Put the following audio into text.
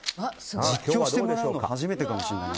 実況してもらうの初めてかもしれない。